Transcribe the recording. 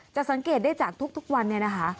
จะสังเกตได้จากทุกวันนะคะ